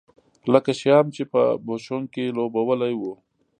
لکه شیام چې په بوشونګ کې لوبولی و.